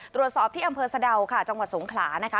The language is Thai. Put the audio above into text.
ตรวจสอบที่อำเภอสะดาวค่ะจังหวัดสงขลานะคะ